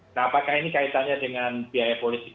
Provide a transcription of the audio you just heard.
nah apakah ini kaitannya dengan biaya politik